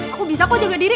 aku bisa kok jaga diri